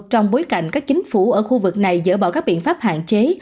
trong bối cảnh các chính phủ ở khu vực này dỡ bỏ các biện pháp hạn chế